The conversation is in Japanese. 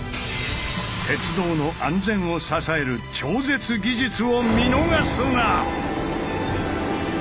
鉄道の安全を支える超絶技術を見逃すな！